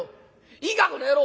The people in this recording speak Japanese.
いいかこの野郎！